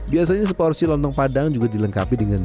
biasanya seporsi lontong padang juga dilengkapi dengan